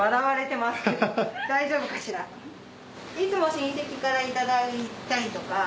いつも親戚からいただいたりとか。